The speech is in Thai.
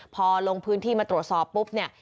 พอลงพื้นที่มาตรวจสอบปุ๊บเนี่ย